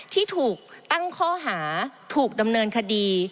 ที่ถูกตั้งข้อหาถูกดำเนินคดี